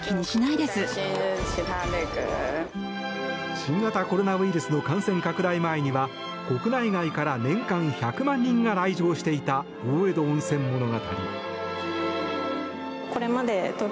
新型コロナウイルスの感染拡大前には国内外から年間１００万人が来場していた大江戸温泉物語。